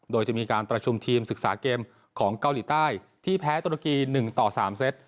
โดยจะมีการประชุมทีมศึกษาเกมของเกาหลีใต้ที่แพ้ตุรกี๑ต่อ๓เซต